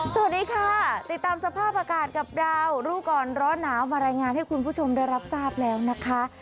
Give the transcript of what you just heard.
สวัสดีค่ะติดตามสภาพอากาศกับดาวรู้ก่อนร้อนหนาวมารายงานให้คุณผู้ชมได้รับทราบแล้วนะคะ